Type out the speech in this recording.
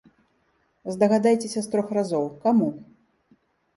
Здагадайцеся з трох разоў, каму?